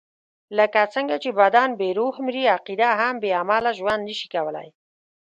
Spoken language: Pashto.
لکه څنګه چې بدن بې روح مري، عقیده هم بې عمله ژوند نشي کولای.